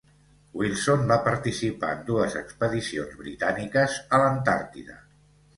Wilson va participar en dues expedicions britàniques a l'Antàrtida.